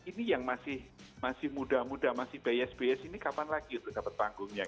ini yang masih muda muda masih bias bias ini kapan lagi untuk dapat panggungnya